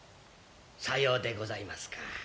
さようでございますか。